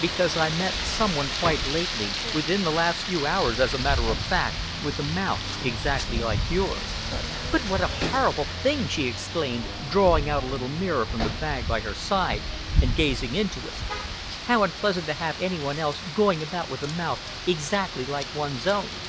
"Because I met some one quite lately within the last few hours, as a matter of fact with a mouth exactly like yours." "But what a horrible thing!" she exclaimed, drawing out a little mirror from the bag by her side and gazing into it. "How unpleasant to have any one else going about with a mouth exactly like one's own!